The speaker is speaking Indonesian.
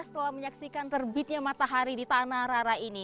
setelah menyaksikan terbitnya matahari di tanah rara ini